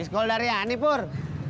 disgolda riani pur